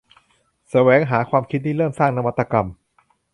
แสวงหาความคิดริเริ่ม สร้างนวัตกรรม